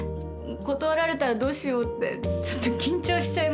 断られたらどうしようってちょっと緊張しちゃいました。